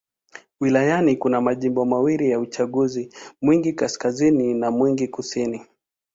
Wilayani kuna majimbo mawili ya uchaguzi: Mwingi Kaskazini na Mwingi Kusini.